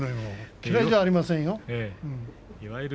嫌いじゃありませんよ。